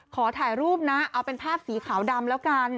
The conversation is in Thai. ขอถ่ายรูปนะเอาเป็นภาพสีขาวดำแล้วกัน